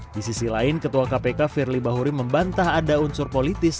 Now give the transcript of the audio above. di sisi lain ketua kpk firly bahuri membantah ada unsur politis